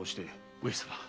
上様。